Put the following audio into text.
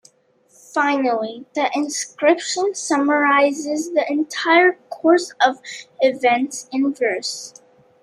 Finally, the inscription summarizes the entire course of events in verse.